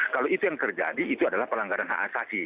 kalau itu yang terjadi itu adalah pelanggaran hak asasi